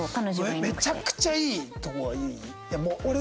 めちゃくちゃいいとこを言う。